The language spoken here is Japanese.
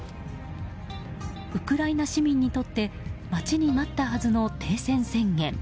ウクライナ市民にとって待ちに待ったはずの停戦宣言。